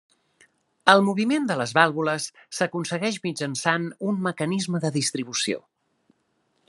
El moviment de les vàlvules s'aconsegueix mitjançant un mecanisme de distribució.